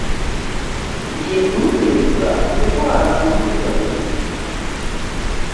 ngiye kumuteza indwara imuheza mu buriri